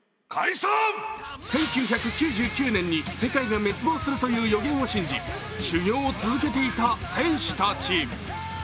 １９９９年に世界が滅亡するという予言を信じ修業を続けていた戦士たち。